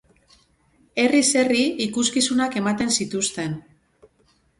Herriz-herri ikuskizunak ematen zituzten.